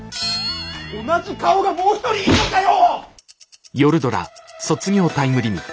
同じ顔がもう一人いるのかよ！